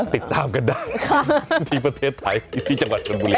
ติดตามกันได้ที่ประเทศไทยที่จังหวัดชนบุรี